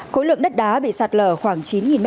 khối lượng đất đá bị sạt lở khoảng chín m hai